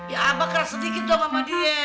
ya abah keras sedikit dong sama dia